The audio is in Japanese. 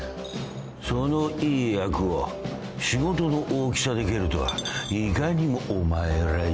そのいい役を仕事の大きさで蹴るとはいかにもお前らしい。